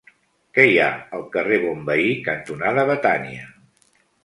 Què hi ha al carrer Bonveí cantonada Betània?